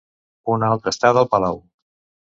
Una altra estada al palau.